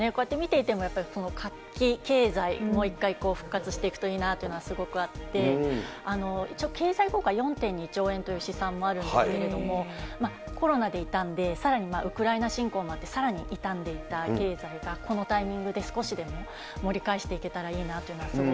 こうやって見てても、活気、経済、もう一回復活していくといいなというのはすごくあって、一応経済効果４．２兆円という試算もあるんですけれども、コロナでいたんで、さらにウクライナ侵攻もあってさらにいたんでいた経済が、このタイミングで少しでも盛り返していけたらいいな